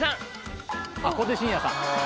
小手伸也さん。